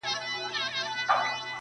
ورته نظمونه ليكم.